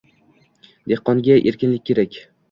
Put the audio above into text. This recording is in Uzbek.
Dehqonga erkinlik kerak.